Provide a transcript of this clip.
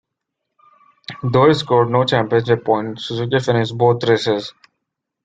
Though he scored no championship points, Suzuki finished both races.